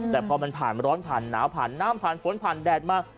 แต่พอมันผ่านร้อนผ่านหนาวผ่านน้ำผ่านฝนผ่านแดดมา